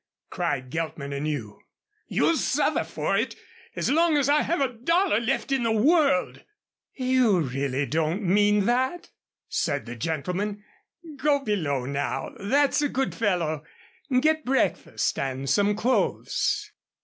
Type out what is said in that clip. cried Geltman anew. "You'll suffer for it. As long as I have a dollar left in the world " "You really don't mean that," said the gentleman. "Go below now, that's a good fellow, get breakfast and some clothes."